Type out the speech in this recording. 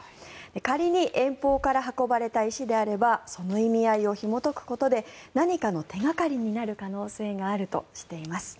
仮に遠方から運ばれてきた石であればその意味合いをひもとくことで何かの手掛かりになる可能性があるとしています。